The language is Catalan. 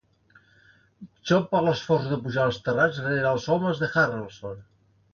Xop per l'esforç de pujar als terrats rere els homes de Harrelson.